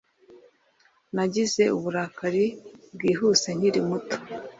Nagize uburakari bwihuse nkiri muto